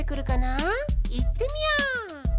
いってみよう！